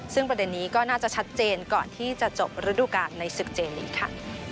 ซึ่งประเด็นนี้ก็น่าจะชัดเจนก่อนที่จะจบฤดูการในศึกเจลีกค่ะ